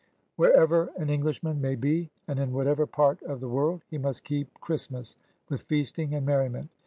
'* Wherever an Englishman may be, and in whatever part of the world, he must keep Christmas with feasting and merriment!